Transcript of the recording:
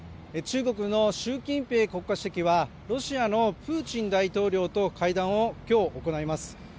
中国の習近平国家主席はロシアのプーチン大統領と会談をきょう行います